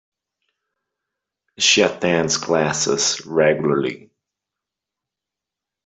She attends classes regularly